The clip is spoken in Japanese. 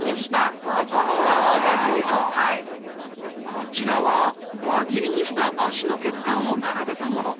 こちらは輪切りにした足の血管を並べたもの。